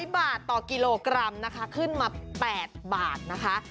๐บาทต่อกิโลกรัมนะคะขึ้นมา๘บาทนะคะ